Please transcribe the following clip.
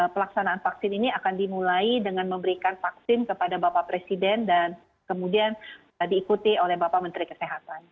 pelaksanaan vaksin ini akan dimulai dengan memberikan vaksin kepada bapak presiden dan kemudian diikuti oleh bapak menteri kesehatan